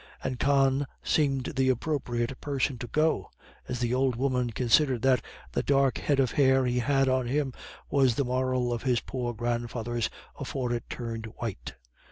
And Con seemed the appropriate person to go, as the old woman considered that "the dark head of hair he had on him was the moral of his poor grandfather's afore it turned white."